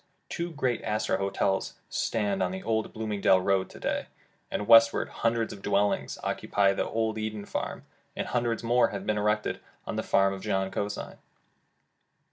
Two great Astor Hotels stand on the old Bloomingdale road to day, and west ward hundreds of dwellings occupy the old Eden farm ; and hundreds more have been erected on the farm of John Cosine.